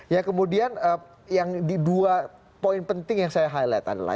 ya kemudian yang di dua poin penting yang saya highlight adalah